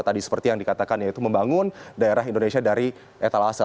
tadi seperti yang dikatakan yaitu membangun daerah indonesia dari etalase